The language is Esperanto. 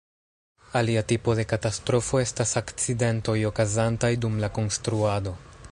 Alia tipo de katastrofo estas akcidentoj okazantaj dum la konstruado.